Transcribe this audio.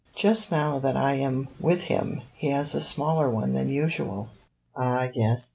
Just now that I am with him he has a smaller one than usual." "Ah yes.